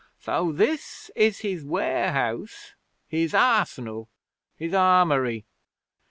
So this is his warehouse, his arsenal, his armoury!